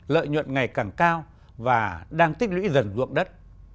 lợi nhuận ngày càng cao và đang tích lũy dần ruộng đất